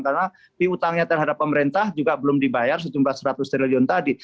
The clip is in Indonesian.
karena pih utangnya terhadap pemerintah juga belum dibayar sejumlah seratus triliun tadi